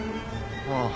ああ。